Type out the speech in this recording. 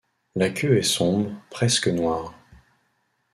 La queue est sombre, presque noire.